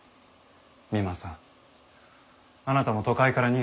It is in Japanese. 三馬さんあなたも都会から逃げて。